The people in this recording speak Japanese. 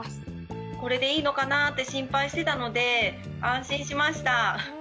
これでいいのかなぁって心配してたので安心しました。